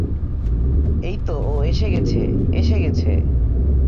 এইতো ও এসে গেছে, এসে গেছে।